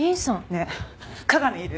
ねえ加賀美いる？